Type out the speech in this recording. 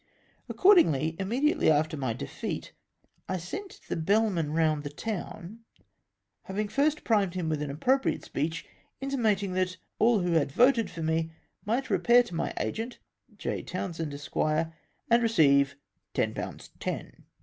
Accordingly, immediately after my defeat, I sent the beUman round the town, having first primed him with an appropriate speech, intimatmg that " all who had voted for me, might repair to my agent, J. Townsend, Esq., and receive ten pounds ten